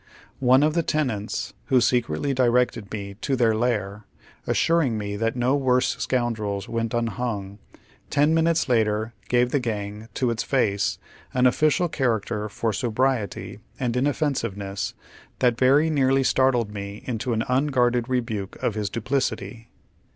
One of the ten ants, who secretly directed me to their lair, assuring me oy Google THE HARVEST OF TARES. 225 that no worse ecoundrels went unhung, ten minutes later gave the gang, to its face, an official cliaraeter for sobriety and inofEensivenesB that very nearly startled me int o an unguarded rebuke of his dopiieity.